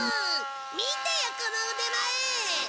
見てよこの腕前！